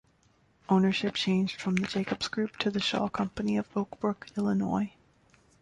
Ownership changed from the Jacobs Group to the Shaw Company of Oak Brook, Illinois.